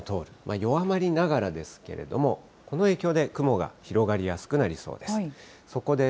弱まりながらですけれども、この影響で雲が広がりやすくなりそうです。